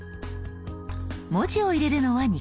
文字を入れるのは２か所。